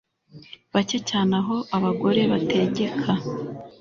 bake cyane aho abagore bategeka